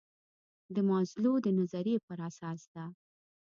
د مازلو د نظریې پر اساس ده.